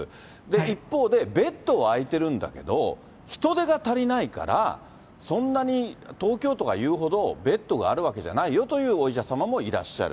一方で、ベッドは空いてるんだけど、人手が足りないから、そんなに東京都が言うほどベッドがあるわけじゃないよというお医者様もいらっしゃる。